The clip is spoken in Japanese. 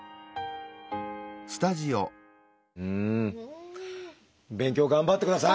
うん！勉強頑張ってください！